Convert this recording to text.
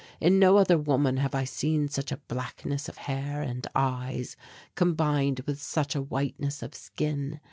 In no other woman have I seen such a blackness of hair and eyes combined with such a whiteness of skin.